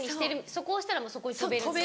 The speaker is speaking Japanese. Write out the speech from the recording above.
そこ押したらそこに飛べる。